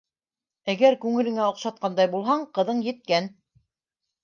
Әгәр күңелеңә оҡшатҡандай булһаң, ҡыҙың еткән.